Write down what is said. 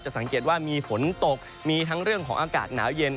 สังเกตว่ามีฝนตกมีทั้งเรื่องของอากาศหนาวเย็น